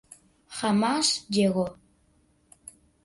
Jamás llegó.